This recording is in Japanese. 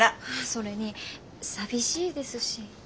それに寂しいですし。